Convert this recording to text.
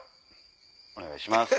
お願いします。